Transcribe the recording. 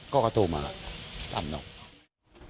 ก็มาตามนี่